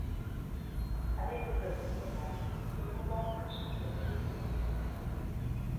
Avec le Club Nacional, il remporte cinq championnats d'Uruguay.